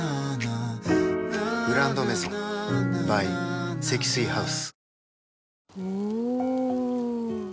「グランドメゾン」ｂｙ 積水ハウス